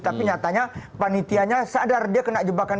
tapi nyatanya panitianya sadar dia kena jebakan